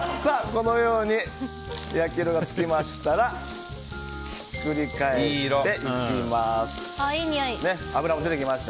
このように焼き色がつきましたらひっくり返していきます。